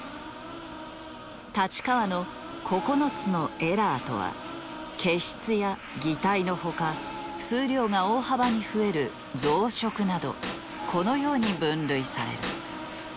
太刀川の９つのエラーとは欠失や擬態の他数量が大幅に増える増殖などこのように分類される。